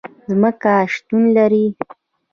ځمکه شتون لري